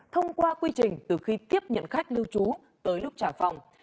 thông qua quy trình từ khi tiếp nhận khách lưu trú tới lúc trả phòng